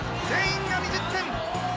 全員が２０点。